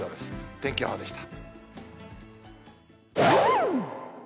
天気予報でした。